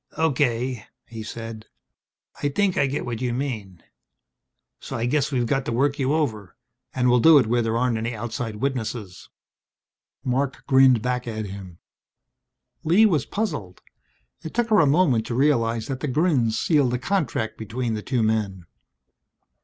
"Okay," he said. "I think I get what you mean. So I guess we got to work you over. And we'll do it where there aren't any outside witnesses." Marc grinned back at him. Lee was puzzled. It took her a moment to realize that the grins sealed a contract between the two men.